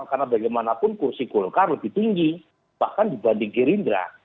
karena bagaimanapun kursi golkar lebih tinggi bahkan dibanding gerindra